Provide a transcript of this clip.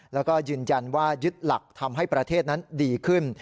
แล้วก็ยืนยันว่ายึดหลักทำให้ประเทศนั้นดีขึ้น